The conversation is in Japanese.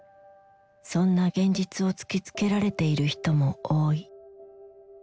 そんな現実を突きつけられている人も多い。